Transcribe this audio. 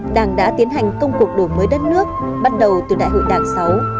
đảng đã tiến hành công cuộc đổi mới đất nước bắt đầu từ đại hội đảng sáu